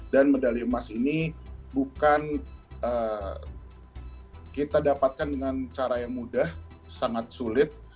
dan medali emas ini bukan kita dapatkan dengan cara yang mudah sangat sulit